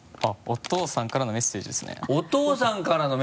お父さんからのメッセージ？からの？